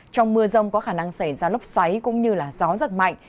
trong mưa rông có khả năng xảy ra lốc xoáy cũng như gió giật mạnh